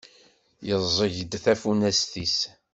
Yeẓẓeg-d tafunast-is.